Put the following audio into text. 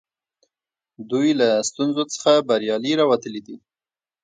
دوی له ستونزو څخه بریالي راوتلي دي.